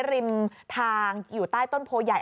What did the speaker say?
ริมทางอยู่ใต้ต้นโพใหญ่